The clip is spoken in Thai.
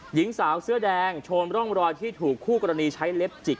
หญิงสาวเสื้อแดงโชนร่องรอยที่ถูกคู่กรณีใช้เล็บจิก